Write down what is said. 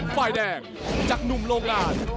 ฝ่ายแดงจากหนุ่มโรงงาน